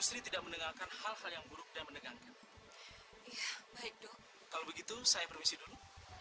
sri tidak mendengarkan hal hal yang buruk dan menegangkan iya baik kalau begitu saya permisi dulu